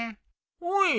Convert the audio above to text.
おい。